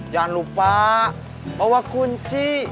jangan lupa bawa kunci